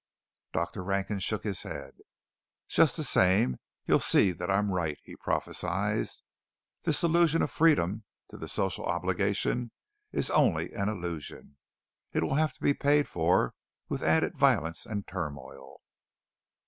Dr. Rankin shook his head. "Just the same, you'll see that I am right," he prophesied. "This illusion of freedom to the social obligation is only an illusion. It will have to be paid for with added violence and turmoil."